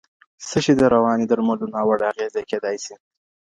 څه شی د رواني درملو ناوړه اغېزې کیدای سي؟